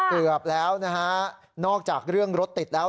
เกือบแล้วนะฮะนอกจากเรื่องรถติดแล้ว